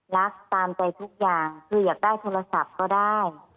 ตามใจทุกอย่างคืออยากได้โทรศัพท์ก็ได้